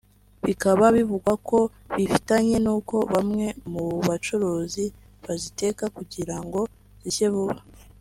bikaba bivugwa ko bifitanye n’uko bamwe mu bacuruzi baziteka kugira ngo zishye vuba